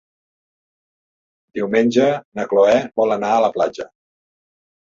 Diumenge na Cloè vol anar a la platja.